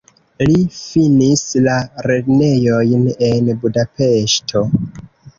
Li finis la lernejojn en Budapeŝto.